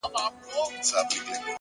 فکر د عمل لارښود دی